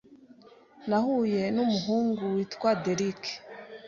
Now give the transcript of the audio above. nahuye n’umuhungu witwa Derrick.